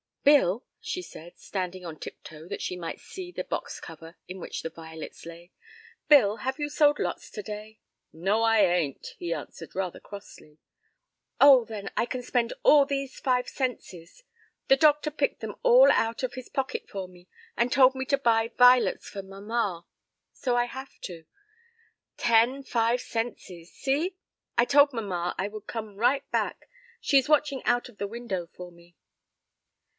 "Bill," she said, standing on tip toe that she might see the box cover in which the violets lay, "Bill, have you sold lots to day?" "No, I ain't," he answered, rather crossly. "Oh, then, I can spend all these five centses. The doctor picked them all out of his pocket for me, and told me to buy vi'lets for mamma. So, I have to. Ten five centses, see. I told mamma I would come right back. She is watching out of the window for me."